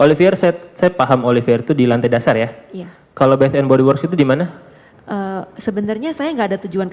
iya stop dulu